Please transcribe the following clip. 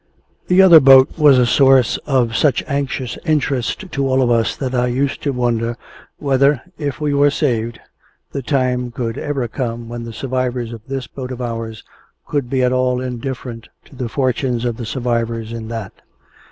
The other boat was a source of such anxious interest to all of us that I used to wonder whether, if we were saved, the time could ever come when the survivors in this boat of ours could be at all indifferent to the fortunes of the survivors in that.